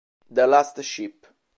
The Last Ship